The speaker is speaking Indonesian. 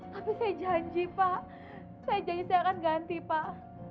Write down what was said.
tapi saya janji pak saya janji saya akan ganti pak